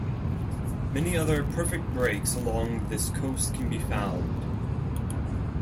Many other perfect breaks along this coast can be found.